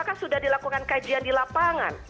apakah sudah dilakukan kajian di lapangan